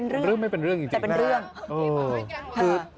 เรื่องไม่เป็นเรื่องจริง